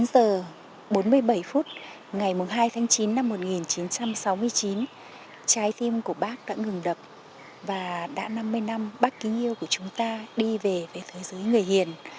chín giờ bốn mươi bảy phút ngày hai tháng chín năm một nghìn chín trăm sáu mươi chín trái tim của bác đã ngừng đập và đã năm mươi năm bác kính yêu của chúng ta đi về với thế giới người hiền